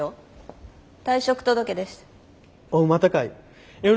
退職届です。